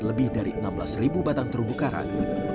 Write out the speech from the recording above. lebih dari enam belas batang terbukaran